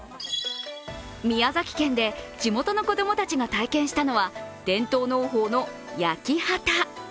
宮崎県で、地元の子供たちが体験したのは伝統農法の焼き畑。